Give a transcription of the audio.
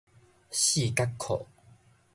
四角褲